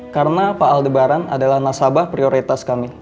karena pak aldebaran adalah nasabah prioritas kami